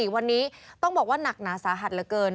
๔วันนี้ต้องบอกว่าหนักหนาสาหัสเหลือเกิน